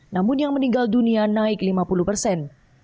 namun yang meninggal dunia naik lima puluh persen